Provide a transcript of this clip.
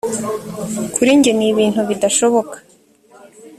kuri jye ni ibintu bidashoboka